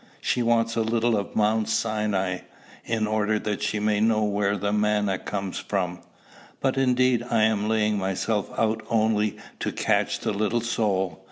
She wants a little of Mount Sinai, in order that she may know where the manna comes from. But indeed I am laying myself out only to catch the little soul.